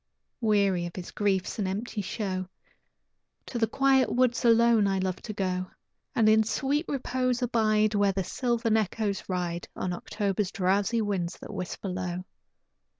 Weary of his griefs and empty show, To the quiet woods alone I love to go, And in sweet repose abide Where the sylvan echoes ride On October's drowsy winds that whisper low.